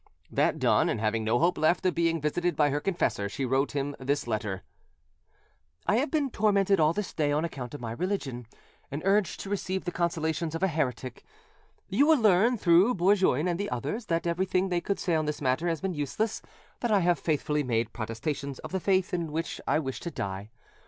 That done, and having no hope left of being visited by her confessor, she wrote him this letter: "I have been tormented all this day on account of my religion, and urged to receive the consolations of a heretic: you will learn, through Bourgoin and the others, that everything they could say on this matter has been useless, that I have faithfully made protestation of the faith in which I wish to die.